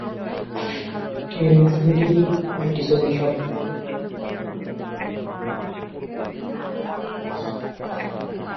কিন্তু তার বিরুদ্ধে প্রতারণা ও জালিয়াতির অভিযোগ ছিল।